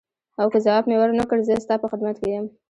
او که ځواب مې ورنه کړ زه ستا په خدمت کې یم.